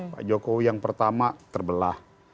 pak jokowi yang pertama terbelah